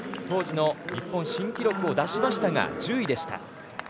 当時の日本新記録を出しましたが１０位でした。